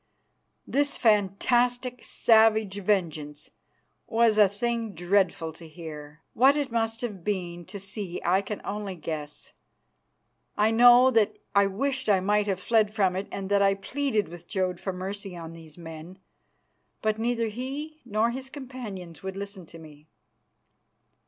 This fantastic, savage vengeance was a thing dreadful to hear; what it must have been to see I can only guess. I know that I wished I might have fled from it and that I pleaded with Jodd for mercy on these men. But neither he nor his companions would listen to me.